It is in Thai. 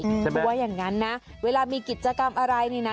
เพราะว่าอย่างนั้นนะเวลามีกิจกรรมอะไรนี่นะ